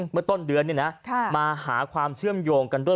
เมื่อต้นเดือนมาหาความเชื่อมโยงกันด้วย